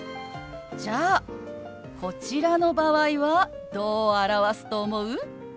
じゃあこちらの場合はどう表すと思う？